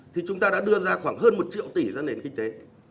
thì chúng ta đã đưa ra khoảng hơn một triệu tỷ ra nền kinh tế